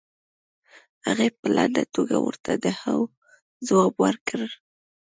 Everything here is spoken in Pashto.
هغې په لنډه توګه ورته د هو ځواب ورکړ.